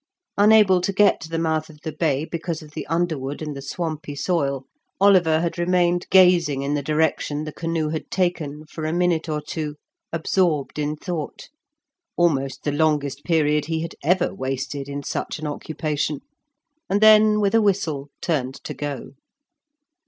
Unable to get to the mouth of the bay because of the underwood and the swampy soil, Oliver had remained gazing in the direction the canoe had taken for a minute or two, absorbed in thought (almost the longest period he had ever wasted in such an occupation), and then with a whistle turned to go.